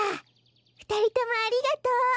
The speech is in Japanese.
ふたりともありがとう。